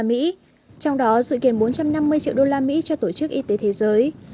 trong đó dự kiến bốn trăm năm mươi triệu đô la mỹ cho tổ chức y tế thế giới